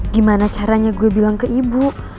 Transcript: gimana caranya gue bilang ke ibu